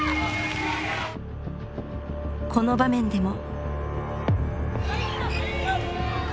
この場面でも。